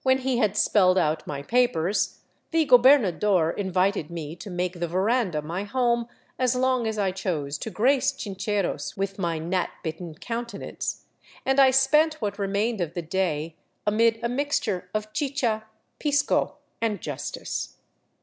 When he had spelled out my papers, the gobernador invited me to make the veranda my home as long as I chose to grace Chincheros with my gnat bitten countenance, and I spent what re mained of the day amid a mixture of chicha, pisco, and justice.